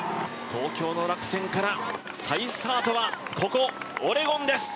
東京の落選から再スタートは、ここオレゴンです。